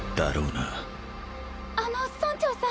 あの村長さん。